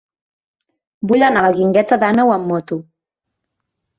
Vull anar a la Guingueta d'Àneu amb moto.